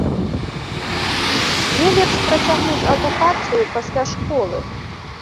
Дзе лепш працягнуць адукацыю пасля школы?